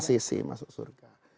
acc masuk surga